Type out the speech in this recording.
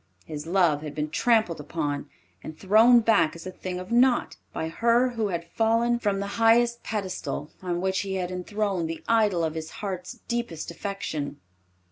His love had been trampled upon, and thrown back as a thing of naught by her who had fallen from the high pedestal on which he had enthroned the idol of his heart's deepest affection.